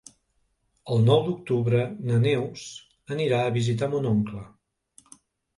El nou d'octubre na Neus anirà a visitar mon oncle.